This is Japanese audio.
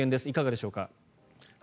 いかがでしょうか。